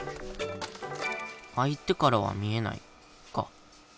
「相手からは見えない」か。